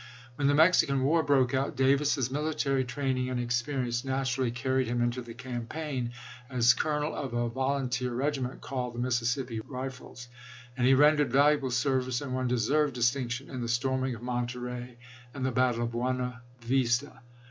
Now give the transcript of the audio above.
When the Mexican war broke out, Davis's military training and experience naturally carried him into the campaign as colonel of a volunteer regiment called the Mississippi Rifles ; and he rendered valu able service and won deserved distinction in the storming of Monterey and the battle of Buena Vista.